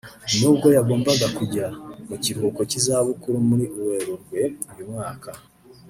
nubwo yagombaga kujya mu kiruhuko cy’izabukuru muri Werurwe uyu mwaka